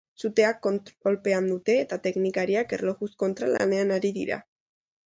Sutea kontrolpean dute eta teknikariak erlojuz kontra lanean ari dira.